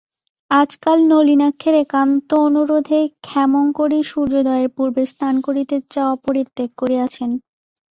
আজকাল নলিনাক্ষের একান্ত অনুরোধে ক্ষেমংকরী সূর্যোদয়ের পূর্বে স্নান করিতে যাওয়া পরিত্যাগ করিয়াছেন।